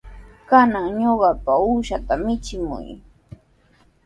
Kanan ñuqapa uushaata michimuy.